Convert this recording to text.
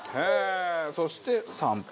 そして３分。